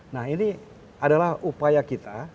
nah ini adalah upaya kita